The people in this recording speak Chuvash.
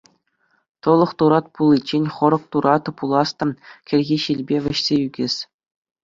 Тӑлӑх турат пуличчен хӑрӑк турат пулас та кӗрхи ҫилпе вӗҫсе ӳкес.